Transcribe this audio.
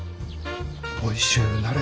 おいしゅうなれ。